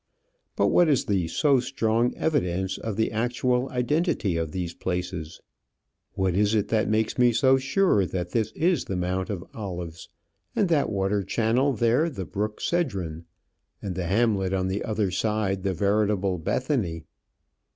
But what is the so strong evidence of the actual identity of these places? What is it that makes me so sure that this is the Mount of Olives, and that water channel there the brook Cedron, and the hamlet on the other side the veritable Bethany?